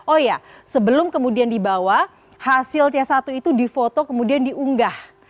oh ya sebelum kemudian dibawa hasil c satu itu difoto kemudian diunggah